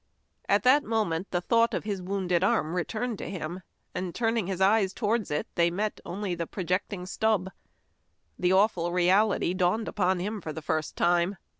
At that moment the thought of his wounded arm returned to him, and, turning his eyes towards it, they met only the projecting stub. The awful reality dawned upon him for the first time.